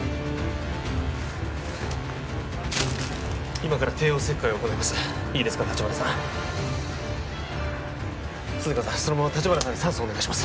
今から帝王切開を行いますいいですか立花さん涼香さんそのまま立花さんに酸素をお願いします